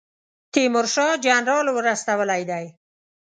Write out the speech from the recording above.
تیمورشاه جنرال ور استولی دی.